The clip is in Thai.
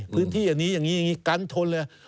พื้นที่อย่างนี้อย่างนี้กันชนเลย